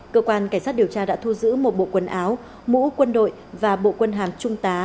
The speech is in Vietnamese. cơ quan cảnh sát điều tra đã thu giữ một bộ quần áo mũ quân đội và bộ quân hàm trung tá